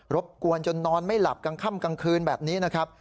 บกวนจนนอนไม่หลับกลางค่ำกลางคืนแบบนี้นะครับ